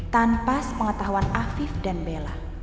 tanpa sepengetahuan afif dan bella